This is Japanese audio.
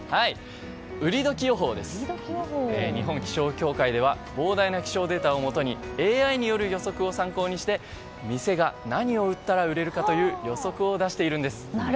日本気象協会では膨大な気象データをもとにＡＩによる予測を参考にして店が何を売ったら売れるかという予測を出しているんです。